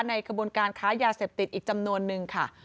กระบวนการค้ายาเสพติดอีกจำนวนนึงค่ะ